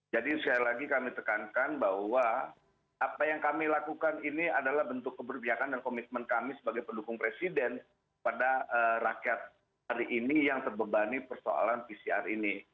jadi sekali lagi kami tekankan bahwa apa yang kami lakukan ini adalah bentuk keberpihakan dan komitmen kami sebagai pendukung presiden pada rakyat hari ini yang terbebani persoalan pcr ini